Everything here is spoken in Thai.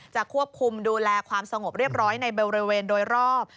ควบคุมดูแลความสงบเรียบร้อยในบริเวณโดยรอบ